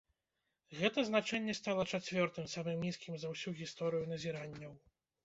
Гэта значэнне стала чацвёртым самым нізкім за ўсю гісторыю назіранняў.